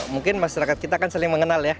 mungkin masyarakat kita kan saling mengenal ya